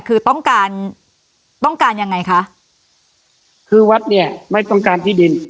คือต้องการต้องการยังไงคะคือวัดเนี่ยไม่ต้องการที่ดิน